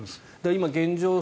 今、現状